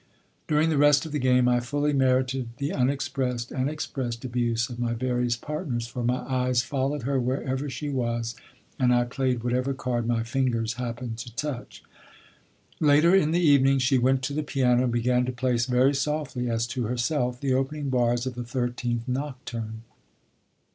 During the rest of the game I fully merited the unexpressed and expressed abuse of my various partners; for my eyes followed her wherever she was and I played whatever card my fingers happened to touch. Later in the evening she went to the piano and began to play very softly, as to herself, the opening bars of the Thirteenth Nocturne.